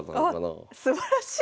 あっすばらしい。